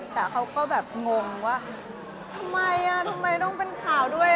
แต่เขาก็แบบงงว่าทำไมทำไมต้องเป็นข่าวด้วย